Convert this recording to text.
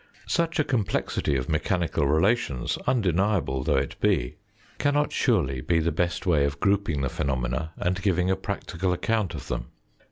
Such a complexity of mechanical relations, undeniable though it be, cannot 20 THE FOURTH DIMENSION surely be the best way of grouping the phenomena and giving a practical account of them.